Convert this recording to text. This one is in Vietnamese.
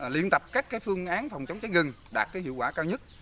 liên tập các phương án phòng chống cháy rừng đạt hiệu quả cao nhất